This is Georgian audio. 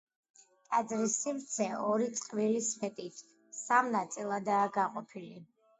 ტაძრის სივრცე ორი წყვილი სვეტით სამ ნაწილადაა გაყოფილი.